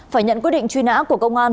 phải nhận quyết định truy nã của công an